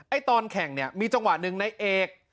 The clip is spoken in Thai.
ตอนแข่งเนี่ยมีจังหวะหนึ่งในเอก